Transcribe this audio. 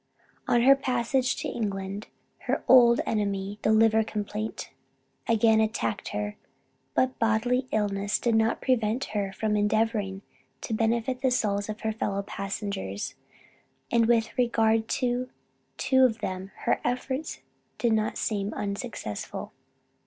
On her passage to England, her old enemy, the liver complaint, again attacked her; but bodily illness did not prevent her from endeavoring to benefit the souls of her fellow passengers; and with regard to two of them, her efforts did not seem unsuccessful.